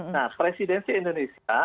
nah presidensi indonesia